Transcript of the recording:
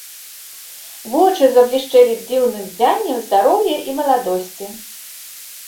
Вочы заблішчэлі дзіўным ззяннем здароўя і маладосці.